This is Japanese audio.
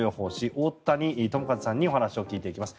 太谷智一さんにお話を聞いていきます。